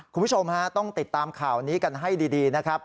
คุณผู้ชมฮะต้องติดตามข่าวนี้กันให้ดีนะครับ